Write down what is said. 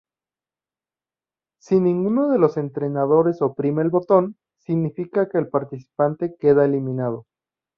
Si ninguno de los entrenadores oprime el botón, significa que el participante queda eliminado.